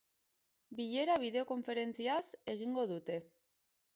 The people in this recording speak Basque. Bilera bideokonferentziaz egingo dute.